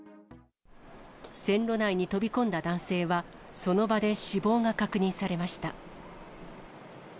線路内に飛び込んだ男性は、その場で死亡が確認されました。